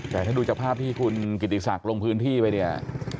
แต่ถ้าดูจากภาพที่คุณกิติศักดิ์ลงพื้นที่ไปเนี่ย